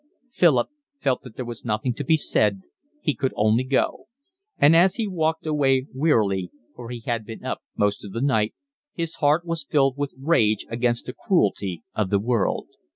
Philip felt that there was nothing to be said, he could only go; and as he walked away wearily, for he had been up most of the night, his heart was filled with rage against the cruelty of the world.